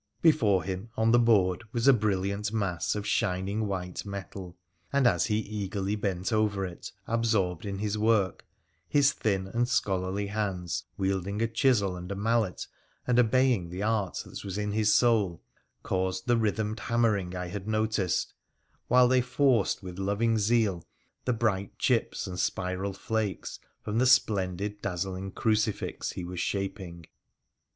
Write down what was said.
Before him, on the board was a brilliant mass of shining white metal, and, as he eagerly bent over it, absorbed in his work, his thin and scholarly hands, wielding a chisel and a mallet and obeying the art that was in his soul, caused the rhythmed hammering I had noticed, while they forced with loving zeal the bright chips and spiral flakes from the splendid dazzling crucifix he was shaping.